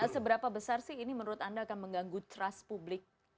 seberapa besar sih ini menurut anda akan mengganggu trust publik